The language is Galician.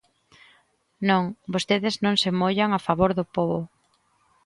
Non, vostedes non se mollan a favor do pobo.